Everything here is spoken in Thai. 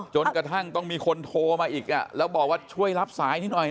จนกระทั่งต้องมีคนโทรมาอีกแล้วบอกว่าช่วยรับสายนิดหน่อย